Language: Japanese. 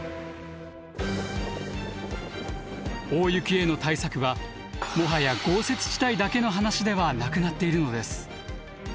大雪への対策はもはや豪雪地帯だけの話ではなくなっているのです。